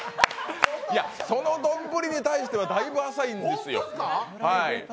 その丼に対してはだいぶ浅いんですよ。